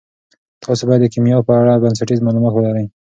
تاسي باید د کیمیا په اړه بنسټیز معلومات ولرئ.